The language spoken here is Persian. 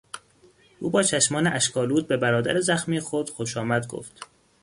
او با چشمان اشک آلود به برادر زخمی خود خوش آمد گفت.